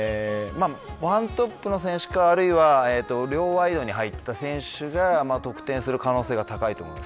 ワントップの選手か、あるいは両ワイドに入る選手が得点する可能性があると思います。